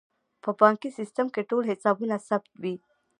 په بانکي سیستم کې ټول حسابونه ثبت وي.